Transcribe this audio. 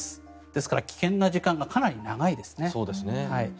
ですから危険な時間がかなり長いですね。